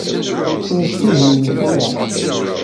Ur ttihiyemt ara.